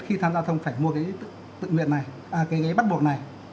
khi tham gia giao thông phải mua cái bắt buộc này